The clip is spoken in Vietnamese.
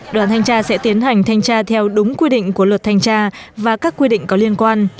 đoàn thanh tra sẽ tiến hành thanh tra theo đúng quy định của luật thanh tra và các quy định có liên quan